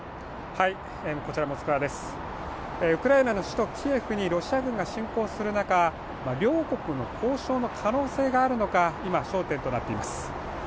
ウクライナの首都キエフにロシア軍が侵攻する中、両国の交渉の可能性があるのか今、焦点となっています。